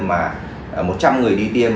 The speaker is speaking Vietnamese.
một trăm người đi tiêm